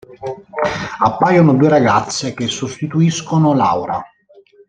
Appaiono due ragazze, che sostituiscono Laura.